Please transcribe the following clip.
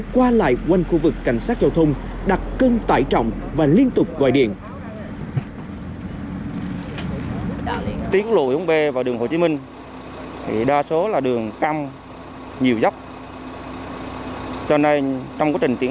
qua lại quanh khu vực cảnh sát giao thông đặt cân tải trọng và liên tục gọi điện